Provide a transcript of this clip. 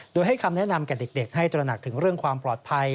โดยให้คำแนะนำแก่เด็กให้ตระหนักถึงเรื่องความปลอดภัย